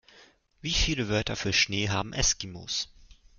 Wie viele Wörter für Schnee haben Eskimos?